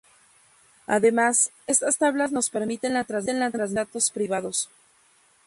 Además, estas tablas nos permiten la transmisión de datos privados.